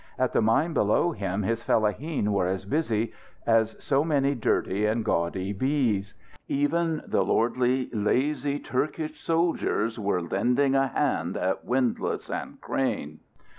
At the mine below him his fellaheen were as busy as so many dirty and gaudy bees. Even the lordly lazy Turkish soldiers were lending a hand at windlass and crane.